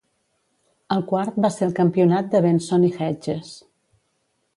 El quart va ser el campionat de Benson i Hedges.